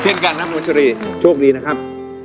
เช่นกันนะนวัชรีโชคดีนะครับ